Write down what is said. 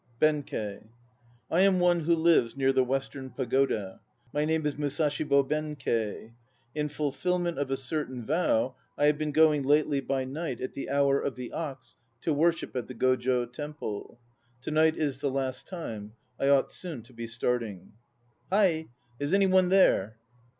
BENKEI. I am one who lives near the Western Pagoda. My name is Musashi bo Benkei. In fulfillment of a certain vow I have been going lately by night at the hour of the Ox * to worship at the Go jo Temple. To night is the last time; I ought soon to be starting. Hie! Is any one there?